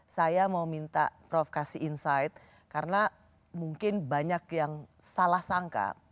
saya mau minta prof kasih insight karena mungkin banyak yang salah sangka